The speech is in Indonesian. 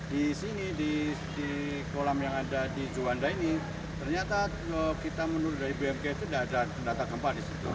di sini di kolam yang ada di juanda ini ternyata kita menurut dari bmk itu tidak ada pendata gempa di situ